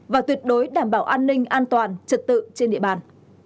và tuyệt đối đảm bảo an ninh an toàn trật tự trên địa bàn